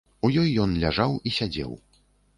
У ёй ён ляжаў і сядзеў.